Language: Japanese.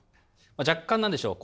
若干何でしょう？